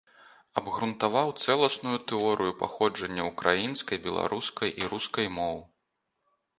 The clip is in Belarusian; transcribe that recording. Абгрунтаваў цэласную тэорыю паходжання ўкраінскай, беларускай і рускай моў.